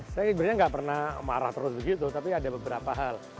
saya sebenarnya nggak pernah marah terus begitu tapi ada beberapa hal